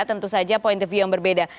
tentu saja point the view yang berbeda